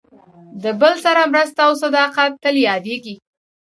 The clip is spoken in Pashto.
د بل سره مرسته او صداقت تل یادېږي.